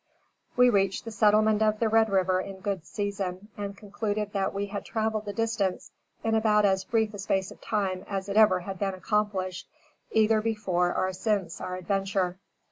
We reached the settlement of the Red River in good season, and concluded that we had traveled the distance in about as brief a space of time as it ever had been accomplished either before or since our adventure.